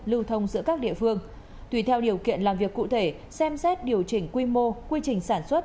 lưu thông giữa các địa phương tùy theo điều kiện làm việc cụ thể xem xét điều chỉnh quy mô quy trình sản xuất